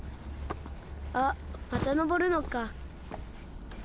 あっまたのぼるのか。